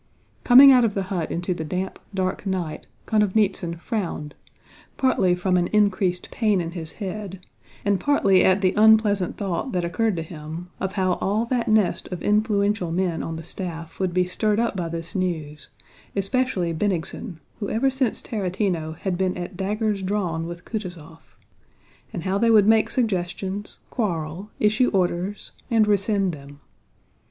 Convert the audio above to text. Coming out of the hut into the damp, dark night Konovnítsyn frowned—partly from an increased pain in his head and partly at the unpleasant thought that occurred to him, of how all that nest of influential men on the staff would be stirred up by this news, especially Bennigsen, who ever since Tarútino had been at daggers drawn with Kutúzov; and how they would make suggestions, quarrel, issue orders, and rescind them.